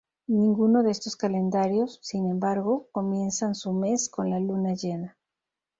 Ninguno de estos calendarios, sin embargo, comienzan su mes con la luna llena.